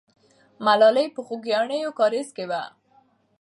ملالۍ په خوګیاڼیو کارېز کې وه.